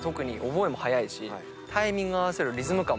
タイミングを合わせる。